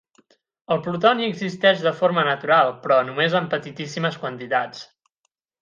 El plutoni existeix de forma natural però només en petitíssimes quantitats.